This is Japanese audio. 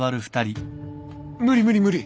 無理無理無理